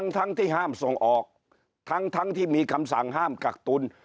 ทั้งที่ห้ามส่งออกทั้งที่มีคำสั่งห้ามกักตุล